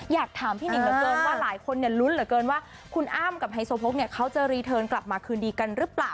อยากถามพี่หนิงเหลือเกินว่าหลายคนลุ้นเหลือเกินว่าคุณอ้ำกับไฮโซโพกเนี่ยเขาจะรีเทิร์นกลับมาคืนดีกันหรือเปล่า